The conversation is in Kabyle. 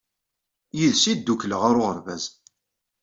Yid-s i ddukkleɣ ɣer uɣerbaz.